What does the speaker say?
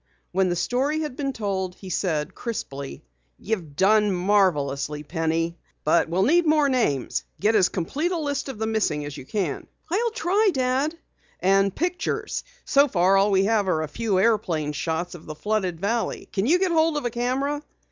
When the story had been told he said crisply: "You've done marvelously, Penny! But we'll need more names. Get as complete a list of the missing as you can." "I'll try, Dad." "And pictures. So far all we have are a few airplane shots of the flooded valley. Can you get ahold of a camera?"